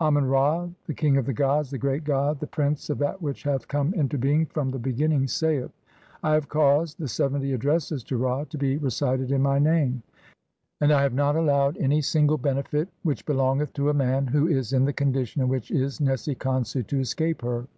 Amen Ra, the king of the gods, the great god, the prince of that which hath come into being from the beginning, saith :— "I have caused the seventy addresses to Ra to be "recited in my name, and I have not allowed any "single benefit which belongeth to a man who is in "the condition in which is Nesi Khonsu to escape her.